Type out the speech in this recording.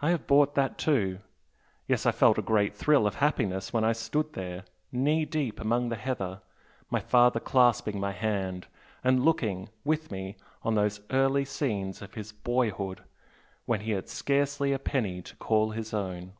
I have bought that too. Yes I felt a great thrill of happiness when I stood there knee deep among the heather, my father clasping my hand, and looking, with me, on those early scenes of his boyhood when he had scarcely a penny to call his own!